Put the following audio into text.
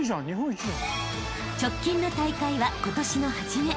［直近の大会は今年の初め］